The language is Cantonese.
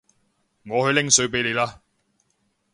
我去拎水畀你啦